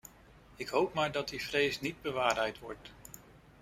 Ik hoop maar dat die vrees niet bewaarheid wordt.